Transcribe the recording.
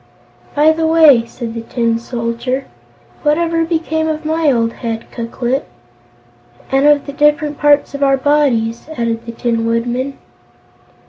"By the way," said the Tin Soldier, "what ever became of my old head, Ku Klip?" "And of the different parts of our bodies?" added the Tin Woodman.